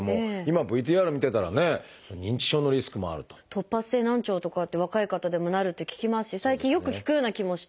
突発性難聴とかって若い方でもなるって聞きますし最近よく聞くような気もして。